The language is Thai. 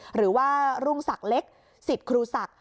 หรือว่ารุ่งศักดิ์เล็กสิทธิ์ครูศักดิ์